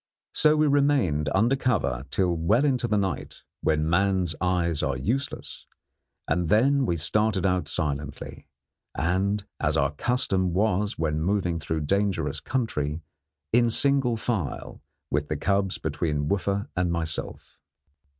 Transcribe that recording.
So we remained under cover till well into the night, when man's eyes are useless, and then we started out silently, and, as our custom was when moving through dangerous country, in single file, with the cubs between Wooffa and myself.